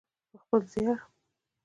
په خپل زیار.